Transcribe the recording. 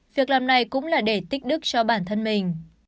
việc làm này cũng là để tích đức cho bản thân mình